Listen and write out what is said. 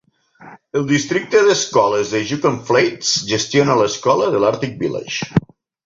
El districte d'escoles de Yukon Flats gestiona l'Escola de Arctic Village.